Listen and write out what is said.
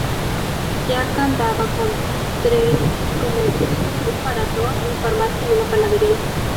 Ya contaba con tres comercios: un parador, una farmacia y una panadería.